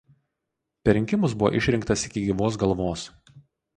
Per rinkimus buvo išrinktas iki gyvos galvos.